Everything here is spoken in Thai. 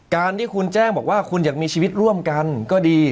การที่คุณแจ้งบอกว่าคุณอยากมีชีวิตร่วมกันก็ดี